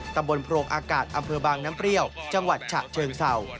ตำบลโพรงอากาศอำเภอบางน้ำเปรี้ยวจังหวัดฉะเชิงเศร้า